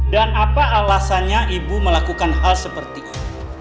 dan apa alasnya ibu melakukan hal seperti itu